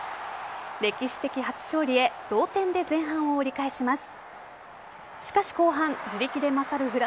歴史的初勝利へ同点で前半を折り返します。